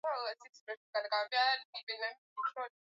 ya mwisho kupitia likizo yako kwa kutumia